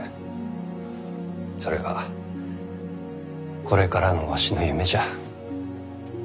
それがこれからのわしの夢じゃ。